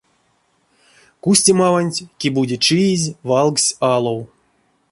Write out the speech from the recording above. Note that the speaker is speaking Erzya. Кустемаванть кие-бути чиезь валгсь алов.